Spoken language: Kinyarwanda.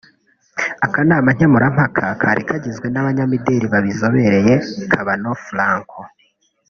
Akanama nkemurampaka kari kagizwe n’abanyamideli babizobereye Kabano Franco